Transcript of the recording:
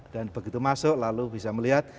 dan begitu masuk lalu bisa melihat